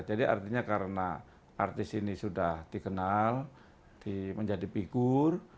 jadi artinya karena artis ini sudah dikenal menjadi figur